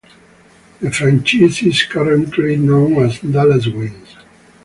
The franchise is currently known as Dallas Wings.